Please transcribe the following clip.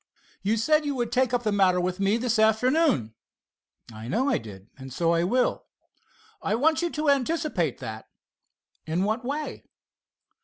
You said you would take up the matter with me this afternoon." "I know I did, and so I will." "I want you to anticipate that." "In what way?"